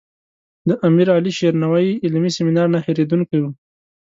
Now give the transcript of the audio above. د امیر علي شیر نوایي علمي سیمینار نه هیریدونکی و.